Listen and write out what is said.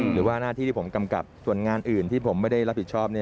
หรือว่าหน้าที่ที่ผมกำกับส่วนงานอื่นที่ผมไม่ได้รับผิดชอบ